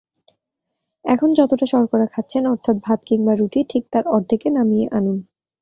এখন যতটা শর্করা খাচ্ছেন অর্থাৎ ভাত কিংবা রুটি, ঠিক তার অর্ধেকে নামিয়ে আনুন।